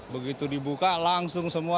begitu dibuka langsung semua